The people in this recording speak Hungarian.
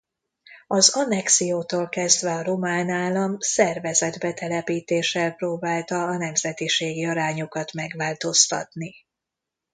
Az annexiótól kezdve a román állam szervezett betelepítéssel próbálta a nemzetiségi arányokat megváltoztatni.